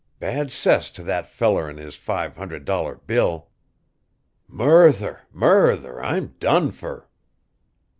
Bad cess to that feller an' his five hundred dollar bill. Murther! Murther! I'm done fer!"